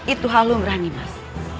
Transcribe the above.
itu hal lu merani mas